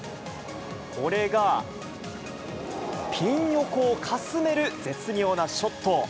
これがピン横をかすめる絶妙なショット。